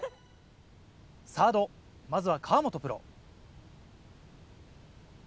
サードまずは河本プロ。